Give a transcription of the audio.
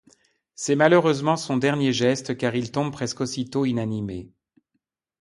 C’est malheureusement son dernier geste car il tombe presque aussitôt inanimé.